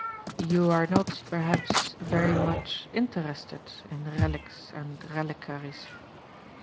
"You are not berhaps very much interested in relics and reliquaries?"